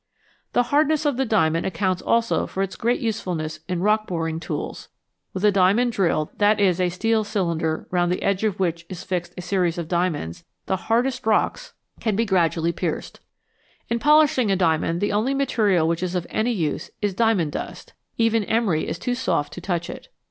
The hardness of the diamond accounts also for its great usefulness in rock boring tools ; with a diamond drill, that is, a steel cylinder round the edge of which is fixed a series of diamonds, the hardest rocks can be gradually 55 ELEMENTS WITH DOUBLE IDENTITY pierced. In polishing a diamond the only material which is of any use is diamond dust ; even emery is too soft to touch it.